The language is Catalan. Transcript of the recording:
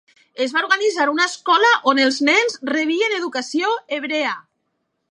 Es va organitzar una escola on els nens rebien educació hebrea.